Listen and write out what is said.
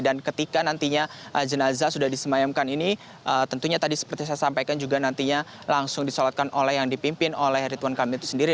dan ketika nantinya jenazah sudah disemayamkan ini tentunya tadi seperti saya sampaikan juga nantinya langsung disolatkan oleh yang dipimpin oleh rituan kamil itu sendiri